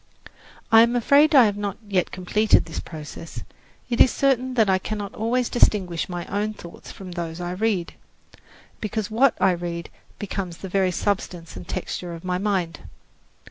I am afraid I have not yet completed this process. It is certain that I cannot always distinguish my own thoughts from those I read, because what I read becomes the very substance and texture of my mind.